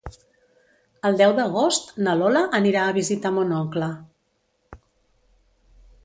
El deu d'agost na Lola anirà a visitar mon oncle.